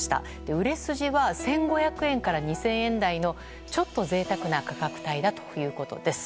売れ筋は１５００円から２０００円台のちょっと贅沢な価格帯だということです。